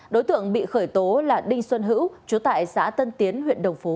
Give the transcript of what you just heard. đối tượng bị khởi tố là đinh xuân hữu chú tại xã tân tiến huyện đồng phú